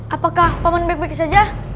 apakah paman baik baik saja